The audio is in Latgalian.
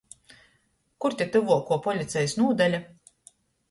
Kur te tyvuokuo policejis nūdaļa?